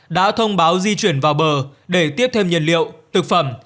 đã thông báo di chuyển vào bờ để tiếp thêm nhân liệu thực phẩm